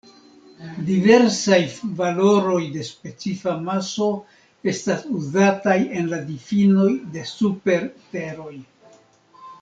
Diversaj valoroj de specifa maso estas uzataj en la difinoj de super-Teroj.